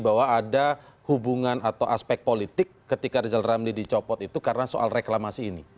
bahwa ada hubungan atau aspek politik ketika rizal ramli dicopot itu karena soal reklamasi ini